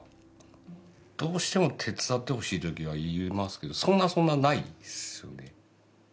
どうしても手伝ってほしいときは言いますけどそんなそんなにないですよね。